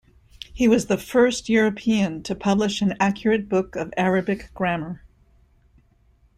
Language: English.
He was the first European to publish an accurate book of Arabic grammar.